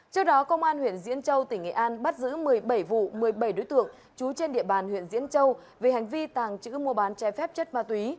trước đó công an huyện diễn châu tỉnh nghệ an bắt giữ một mươi bảy vụ một mươi bảy đối tượng trú trên địa bàn huyện diễn châu về hành vi tàng trữ mua bán che phép chất ma túy